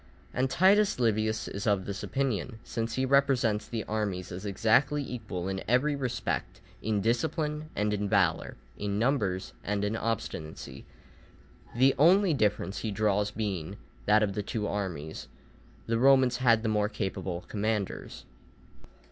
And Titus Livius is of this opinion, since he represents the armies as exactly equal in every respect, in discipline and in valour, in numbers and in obstinacy, the only difference he draws being, that of the two armies the Romans had the more capable commanders.